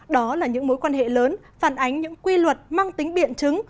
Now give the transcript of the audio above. đó là những mối quan hệ lớn phản ánh những quy luật mang tính biện chứng